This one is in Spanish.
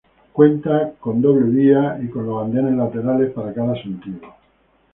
Cuenta con doble vía y con dos andenes laterales para cada sentido.